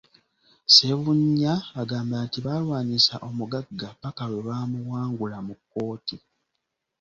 Ssebunya agamba nti baalwanyisa omugagga ppaka lwe baamuwangula mu kkooti.